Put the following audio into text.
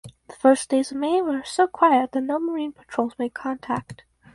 The first days of May were so quiet that no Marine patrols made contact.